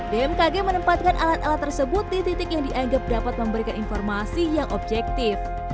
bmkg menempatkan alat alat tersebut di titik yang dianggap dapat memberikan informasi yang objektif